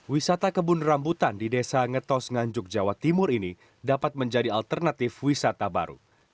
wisata kebun rambutan di desa ngetos nganjuk jawa timur ini dapat menjadi alternatif wisata baru